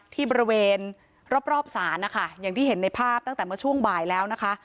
ที่บริเวณรอบศาลนะคะอย่างที่เห็นในภาพตั้งแต่เมื่อช่วงบ่ายแล้วนะคะ